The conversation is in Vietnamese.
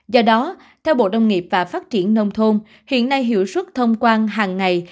do đó theo bộ nông nghiệp và phát triển nông thôn hiện nay hiệu suất thông quan hàng ngày